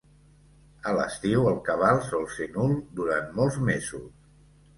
A l'estiu, el cabal sol ser nul durant molts mesos.